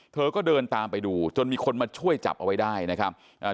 เธอก็เดินตามไปดูจนมีคนมาช่วยจับเอาไว้ได้นะครับอ่า